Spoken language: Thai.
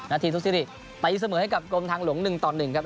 นาทีทุกซีรีส์ไปเสมอให้กับกลมทางหลวง๑ตอน๑ครับ